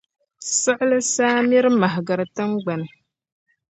siɣili saa miri mahigiri tiŋgbani.